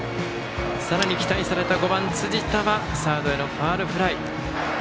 さらに期待された５番、辻田はサードへのファウルフライ。